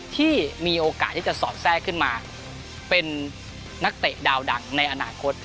ที่มีโอกาสที่จะสอดแทรกขึ้นมาเป็นนักเตะดาวดังในอนาคต